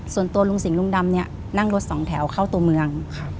ส่วนตัวลุงสิงหลุงดำเนี่ยนั่งรถสองแถวเข้าตัวเมือง